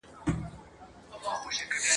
یو تر بله یې په ساندوکي سیالي وه !.